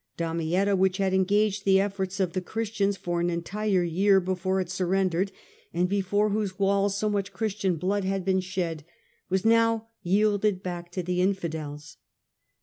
Damietta, which had engaged the efforts of the Christians for an entire year before it surrendered and before whose walls so much Christian blood had been shed, was now yielded back to the Infidels.